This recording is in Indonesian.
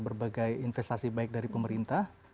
berbagai investasi baik dari pemerintah